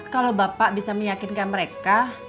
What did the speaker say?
kalau bapak bisa meyakinkan mereka